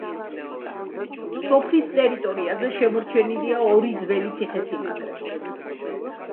სოფლის ტერიტორიაზე შემორჩენილია ორი ძველი ციხესიმაგრე.